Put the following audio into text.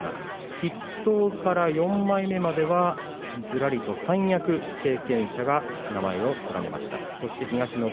筆頭から４枚目までずらりと三役経験者が名前を連ねました。